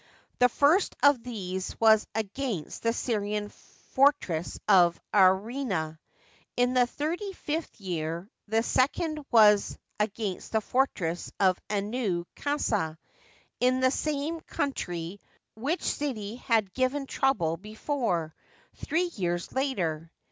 The first of these was against the Syrian fortress of Areana, in the thirty fifth year ; the second was against the fortress oiAnau ^asa, in the same country, which city had given trouble before, three years later.